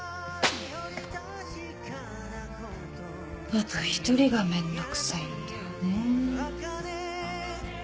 あと１人が面倒くさいんだよねぇ。